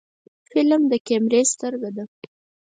فلم د کیمرې سترګه ده